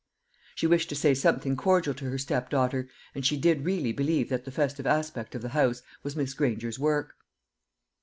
She wished to say something cordial to her step daughter, and she did really believe that the festive aspect of the house was Miss Granger's work.